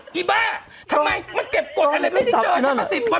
ดีบ้าทำไมมันเก็บกวนอะไรไม่ได้เจอชะมัสสิทธิ์